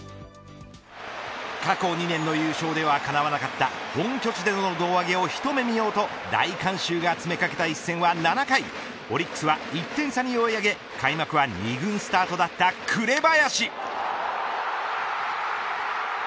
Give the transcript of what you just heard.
過去２年の優勝ではかなわなかった本拠地での胴上げを一目見ようと大観衆が詰めかけた一戦は７回オリックスは１点差に追い上げ開幕は２軍スタートだった紅林。